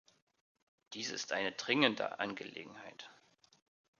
Dies ist eine dringende Angelegenheit.